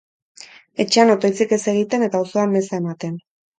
Etxean otoitzik ez egiten, eta auzoan meza ematen.